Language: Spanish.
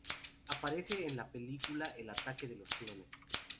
Aparece en la película "El ataque de los clones".